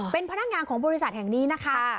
เป็นพนักงานของบริษัทแห่งนี้นะคะ